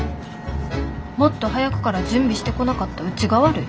もっと早くから準備してこなかったうちが悪い。